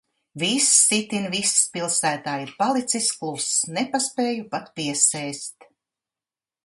Viss, itin viss pilsētā ir palicis kluss. Nepaspēju pat piesēst.